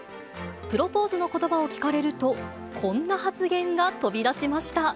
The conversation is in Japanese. プロポーズのことばを聞かれると、こんな発言が飛び出しました。